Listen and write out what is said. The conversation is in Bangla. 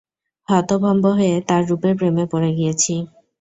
হতভম্ব হয়ে তার রূপের প্রেমে পড়ে গিয়েছি।